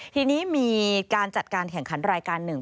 ทีนี้มีการจัดการแข่งขันรายการหนึ่ง